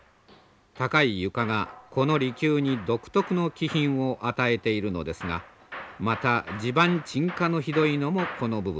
高い床がこの離宮に独特の気品を与えているのですがまた地盤沈下のひどいのもこの部分です。